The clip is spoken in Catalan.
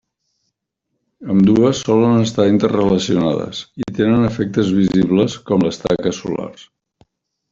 Ambdues solen estar interrelacionades i tenen efectes visibles com les taques solars.